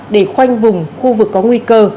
để khoanh vùng khu vực có nguy cơ